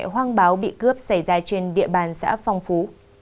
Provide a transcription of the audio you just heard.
hoang báo bị cướp xảy ra trên địa bàn xã phong phú